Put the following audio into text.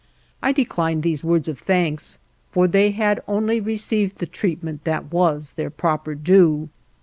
I declined these words of thanks, for they had only received the treatment that was their proper due.